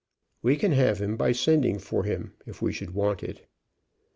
We can have him by sending for him, if we should want it."